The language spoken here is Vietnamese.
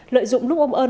lợi dụng lúc ông ơn